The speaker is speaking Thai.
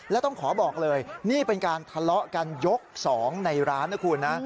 แล้วต้องขอบอกเลยนี่เป็นการทะเลาะกันยก๒ในร้านนะคุณนะ